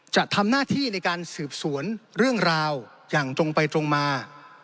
จะทำหน้าที่ในการสืบสวนเรื่องราวอย่างตรงไปตรงมา